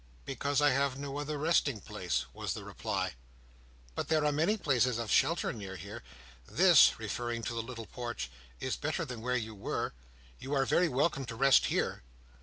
"Because I have no other resting place," was the reply. "But there are many places of shelter near here. This," referring to the little porch, "is better than where you were. You are very welcome to rest here."